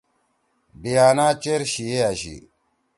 ڈیانا چیر شیِئے أشی۔